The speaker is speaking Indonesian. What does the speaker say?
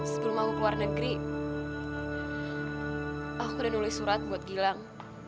sebelum aku ke luar negeri aku udah nulis surat buat gilang